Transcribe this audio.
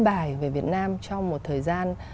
bài về việt nam trong một thời gian